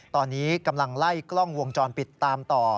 ตอนนี้กำลังไล่กล้องวงจรปิดตามต่อ